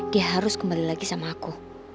dia harus kembali lagi sama aku